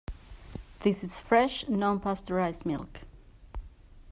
This is fresh non-pasteurized milk.